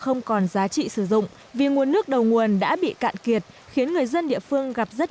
không còn giá trị sử dụng vì nguồn nước đầu nguồn đã bị cạn kiệt khiến người dân địa phương gặp rất